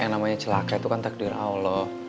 yang namanya celaka itu kan takdir allah